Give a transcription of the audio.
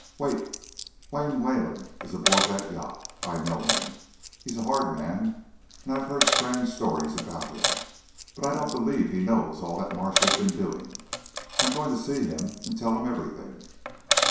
"Wait! Wayne Wayland is aboard that yacht; I know him. He's a hard man, and I've heard strange stories about him, but I don't believe he knows all that Marsh has been doing. I'm going to see him and tell him everything."